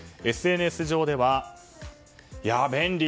ＳＮＳ上では便利！